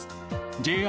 ＪＲ